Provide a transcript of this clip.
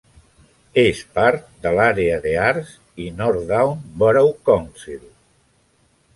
És part de l'àrea de Ards i North Down Borough Council.